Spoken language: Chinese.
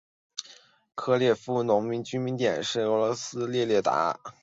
科列诺农村居民点是俄罗斯联邦沃罗涅日州新霍皮奥尔斯克区所属的一个农村居民点。